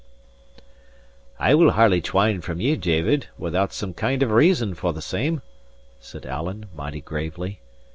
* Part. "I will hardly twine from ye, David, without some kind of reason for the same," said Alan, mighty gravely.